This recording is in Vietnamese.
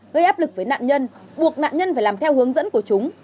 gây áp lực với nạn nhân buộc nạn nhân phải làm theo hướng dẫn của chúng